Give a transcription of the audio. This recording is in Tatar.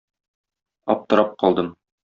Аптырап калдым.